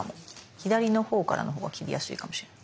左のほうからのほうが切りやすいかもしれない。